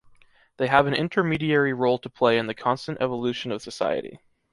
They have an intermediary role to play in the constant evolution of society.